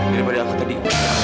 daripada aku tadi